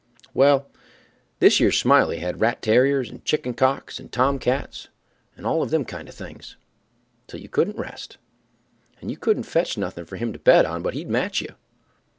Well, thish yer Smiley had rat tarriers, and chicken cocks, and tom cats and all of them kind of things, till you couldn't rest, and you couldn't fetch nothing for him to bet on but he'd match you.